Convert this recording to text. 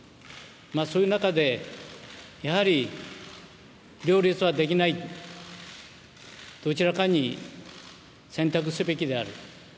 そういう中でやはり両立はできない、どちらかに選択すべきである。